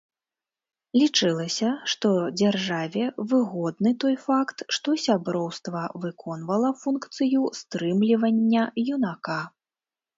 Лічылася, што дзяржаве выгодны той факт, што сяброўства выконвала функцыю стрымлівання юнака.